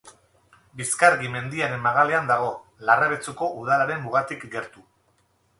Bizkargi mendiaren magalean dago, Larrabetzuko udalaren mugatik gertu.